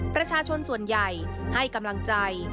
ประชาชนส่วนใหญ่ให้กำลังใจ